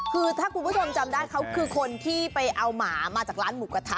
คือถ้าคุณผู้ชมจำได้เขาคือคนที่ไปเอาหมามาจากร้านหมูกระทะ